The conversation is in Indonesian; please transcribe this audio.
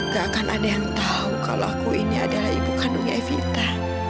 gak akan ada yang tahu kalau aku ini adalah ibu kandungnya evita